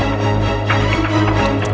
gue harus ikut campur